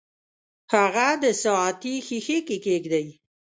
هغه د ساعتي ښيښې کې کیږدئ.